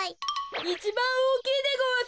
いちばんおおきいでごわす！